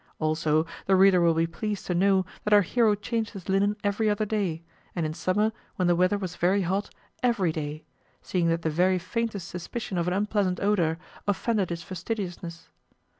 Also, the reader will be pleased to know that our hero changed his linen every other day, and in summer, when the weather was very hot, EVERY day, seeing that the very faintest suspicion of an unpleasant odour offended his fastidiousness.